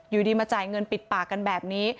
อยู่ดีมาจ่ายเงินปิดปากกันแบบนี้